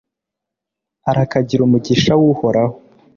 arakagira umugisha w'uhoraho